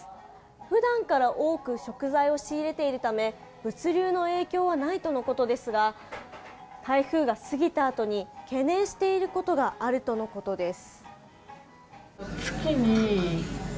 普段から多く食材を仕入れているため物流の影響はないとのことですが台風が過ぎたあとに懸念していることがあるとのことです。